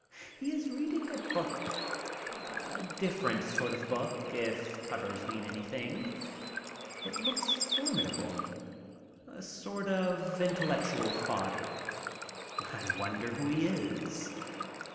He is reading a book, a different sort of book, if covers mean anything. It looks formidable, a sort of intellectual fodder. I wonder who he is.